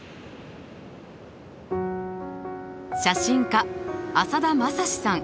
写真家浅田政志さん。